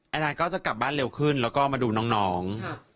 นานก็จะกลับบ้านเร็วขึ้นแล้วก็มาดูน้อง